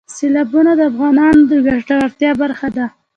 سیلابونه د افغانانو د ګټورتیا برخه ده.